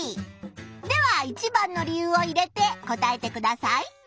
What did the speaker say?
では一番の理由を入れて答えてください。